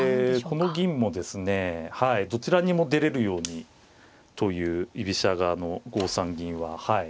この銀もどちらにも出れるようにという居飛車側の５三銀ははい。